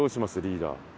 リーダー。